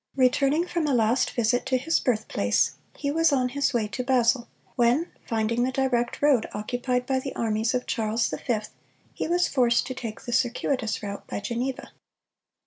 Returning from a last visit to his birthplace, he was on his way to Basel, when, finding the direct road occupied by the armies of Charles V., he was forced to take the circuitous route by Geneva.